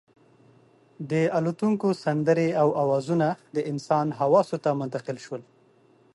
د الوتونکو سندرې او اوازونه د انسان حواسو ته منتقل شول.